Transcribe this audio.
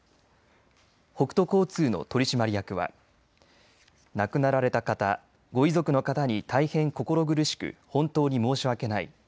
北都交通の取締役は亡くなられた方ご遺族の方に大変心苦しく本当に申し訳ない。